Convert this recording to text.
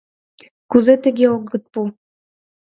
— Кузе тыге огыт пу!